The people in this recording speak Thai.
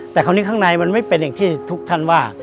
แต่คราวนี้ข้างในมันไม่เป็นอย่างที่ทุกท่านว่า